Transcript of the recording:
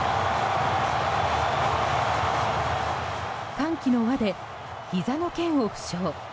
歓喜の輪で、ひざの腱を負傷。